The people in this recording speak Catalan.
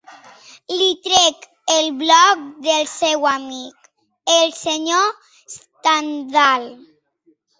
Li trec el bloc del seu amic, el senyor Stendhal.